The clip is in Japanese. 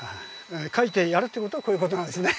描いてやるっていう事はこういう事なんですね。